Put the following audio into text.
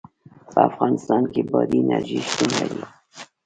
په افغانستان کې بادي انرژي شتون لري.